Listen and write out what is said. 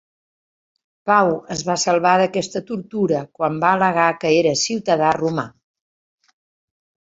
Pau es va salvar d'aquesta tortura quan va al·legar que era ciutadà roma.